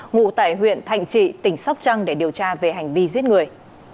ngụ tại huyện thành trị tỉnh sóc trăng để điều tra về hành vi giết người